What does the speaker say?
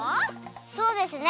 そうですね